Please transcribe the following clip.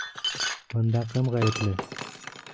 Бында кем ғәйепле?